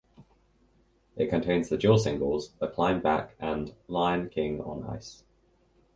It contains the dual singles "The Climb Back" and "Lion King on Ice".